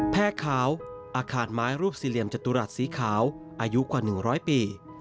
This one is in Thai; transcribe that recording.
แพร่ขาวอาคารไม้รูปสี่เหลี่ยมจตุรัสสีขาวอายุกว่า๑๐๐ปี